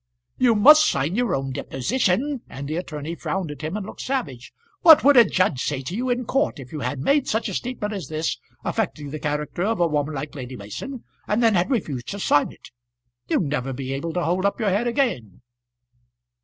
"You must sign your own deposition;" and the attorney frowned at him and looked savage. "What would a judge say to you in court if you had made such a statement as this, affecting the character of a woman like Lady Mason, and then had refused to sign it? You'd never be able to hold up your head again."